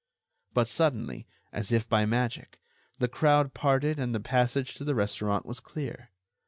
But suddenly, as if by magic, the crowd parted and the passage to the restaurant was clear.